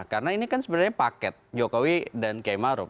karena ini kan sebenarnya paket jokowi dan kay maruf